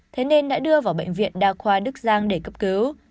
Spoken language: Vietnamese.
thế nên đã đưa vào bệnh viện đa khoa đức giang để cấp cứu